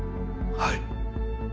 はい。